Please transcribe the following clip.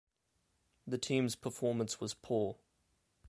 The team's performance was poor.